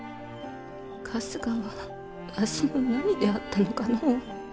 春日はわしの何であったのかの。